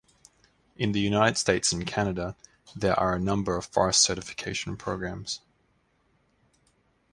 In the United States and Canada, there are a number of forest certification programs.